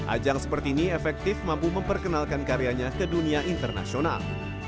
ajang seperti ini efektif mampu memperkenalkan karyanya ke dunia internasional